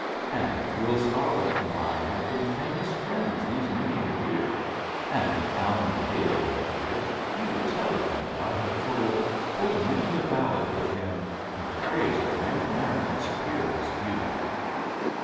And Will Scarlet and I have been famous friends these many a year, and if Allen a Dale were here he would tell you that I have trolled full many a ballad with him in praise of Maid Marian's peerless beauty.